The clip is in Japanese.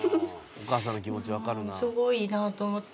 お母さんの気持ち分かるなあ。